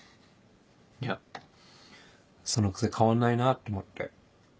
いやその癖変わんないなぁと思って。